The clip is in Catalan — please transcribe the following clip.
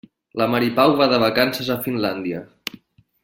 La Mari Pau va de vacances a Finlàndia.